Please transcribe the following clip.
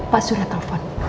pak surya telepon